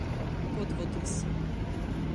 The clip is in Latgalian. Podvodys.